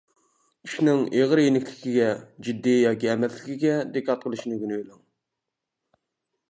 ئىشنىڭ ئېغىر-يېنىكلىكىگە، جىددىي ياكى ئەمەسلىكىگە دىققەت قىلىشنى ئۆگىنىۋېلىڭ.